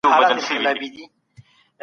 ښه ذهنیت اندیښنه نه راوړي.